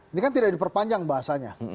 ini kan tidak diperpanjang bahasanya